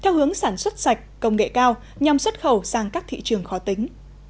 theo hướng sản xuất sạch công nghệ cao nhằm xuất khẩu sang các thị trường khó tính